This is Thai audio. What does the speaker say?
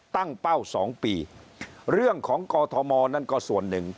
ตั้งเป้าสองปีเรื่องของกธมนั่นก็ส่วนหนึ่ง